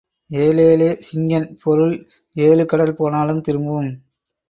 ஏலேல சிங்கன் பொருள் ஏழு கடல் போனாலும் திரும்பும்.